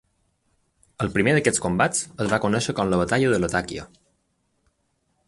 El primer d'aquests combats es va conèixer com la Batalla de Latakia.